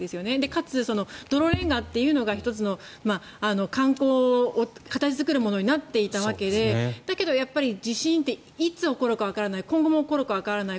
かつ、泥レンガというのが１つの観光を形作るものになっていたわけでだけど、やっぱり地震っていつ起こるかわからない今後も起こるかわからない。